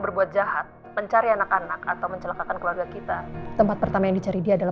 berbuat jahat mencari anak anak atau mencelakakan keluarga kita tempat pertama yang dicari dia adalah